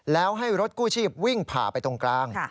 แล้วให้รถกู้ชีพวิ่งผ่าไปตรงกลาง